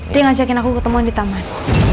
dia ngajakin aku ketemuan di taman